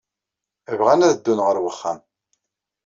Bɣan ad ddun ɣer wexxam.